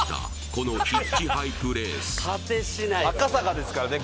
このヒッチハイクレース赤坂ですからね